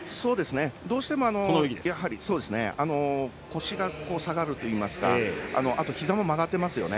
どうしても腰が下がるといいますかひざも曲がっていますよね。